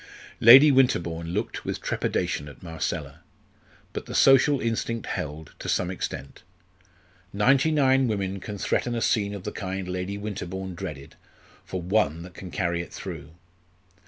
Lady Winterbourne looked with trepidation at Marcella. But the social instinct held, to some extent. Ninety nine women can threaten a scene of the kind Lady Winterbourne dreaded, for one that can carry it through.